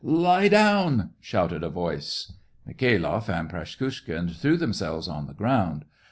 Lie down !" shouted a voice. Mikhailoff and Praskukhin threw themselves on the ground.